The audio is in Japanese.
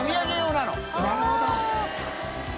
なるほど。